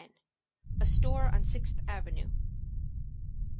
A STORE ON SIXTH AVENUE.